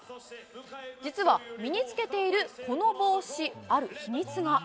実は身につけているこの帽子、ある秘密が。